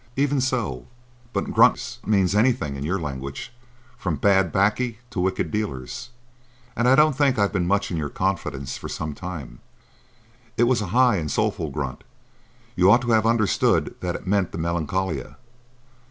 "Even so; but grunts mean anything in your language, from bad "baccy to wicked dealers. And I don't think I've been much in your confidence for some time." "It was a high and soulful grunt. You ought to have understood that it meant the Melancolia."